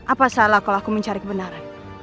apa salah kalau aku mencari kebenaran